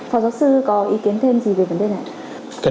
phó giáo sư có ý kiến thêm gì về vấn đề này